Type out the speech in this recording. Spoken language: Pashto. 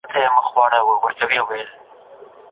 که شهیدان یاد کړو نو قرباني نه هېریږي.